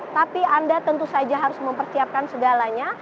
tapi anda tentu saja harus mempersiapkan segalanya